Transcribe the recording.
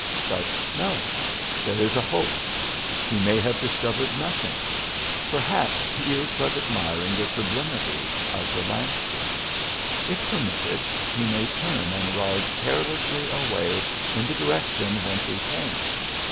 But no there is a hope; he may have discovered nothing perhaps he is but admiring the sublimity of the landscape. If permitted, he may turn and ride carelessly away in the direction whence he came.